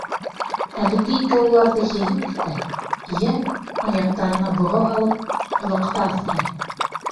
Әлеге икәү уларҙы йә юҡ итә, йә, аяҡтарына бығау һалып, ҡоллоҡта аҫрай.